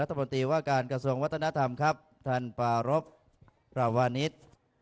วัฒนธรรมตีว่าการกระทรวงวัฒนธรรมครับท่านปรับประวานิษฐ์